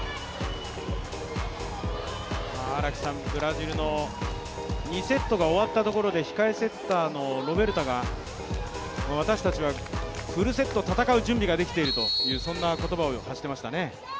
ブラジルの２セットが終わったところで控えセッターのロベルタが、私たちはフルセット戦う準備ができているとそんな言葉を発していましたね。